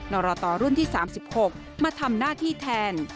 รตรุ่นที่๓๖มาทำหน้าที่แทน